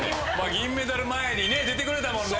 銀メダル前に出てくれたもんね。